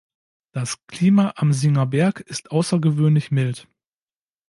Das Klima am Singer Berg ist außergewöhnlich mild.